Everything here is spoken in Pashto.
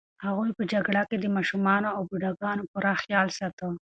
هغوی په جګړو کې هم د ماشومانو او بوډاګانو پوره خیال ساته.